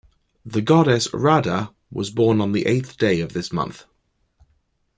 The Goddess Radha was born on the eighth day of this month.